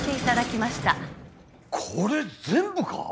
これ全部か！？